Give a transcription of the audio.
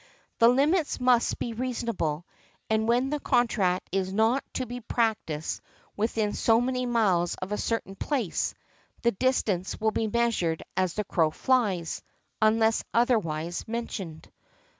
The limits must be reasonable, and when the contract is not to practise within so many miles of a certain place, the distance will be measured "as the crow flies," unless otherwise mentioned .